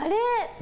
あれ！